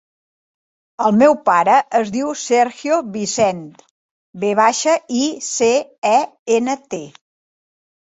El meu pare es diu Sergio Vicent: ve baixa, i, ce, e, ena, te.